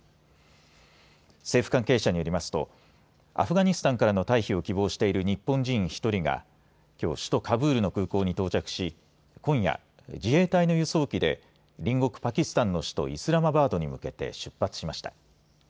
政府関係者によりますと、アフガニスタンからの退避を希望している日本人１人が、きょう、首都カブールの空港に到着し、今夜、自衛隊の輸送機で、隣国パキスタンの首都イスラマバードに向けて出発しました。